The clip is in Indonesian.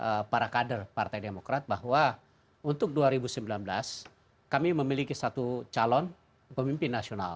dan para kader partai demokrat bahwa untuk dua ribu sembilan belas kami memiliki satu calon pemimpin nasional